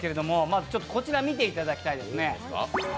ちょっとこちらを見ていただきたいですね。